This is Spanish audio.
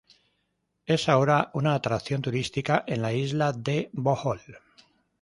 Es ahora una atracción turística en la isla de Bohol.